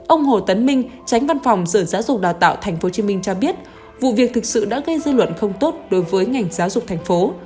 ông hồ tấn minh tránh văn phòng sở giáo dục đào tạo tp hcm cho biết vụ việc thực sự đã gây dư luận không tốt đối với ngành giáo dục thành phố